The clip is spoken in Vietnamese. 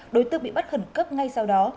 đối tượng bị bắt khẩn cấp ngay sau đó